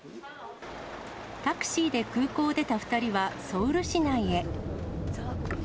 タクシーで空港を出た２人はソウル市内へ。